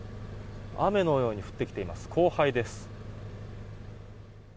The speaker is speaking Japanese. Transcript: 雨のように降ってきています降灰です。